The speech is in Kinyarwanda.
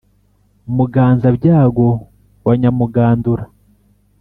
muganza-byago wa nyamugandura